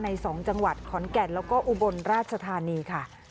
๒จังหวัดขอนแก่นแล้วก็อุบลราชธานีค่ะ